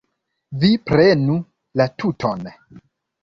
Vi prenu la tuton.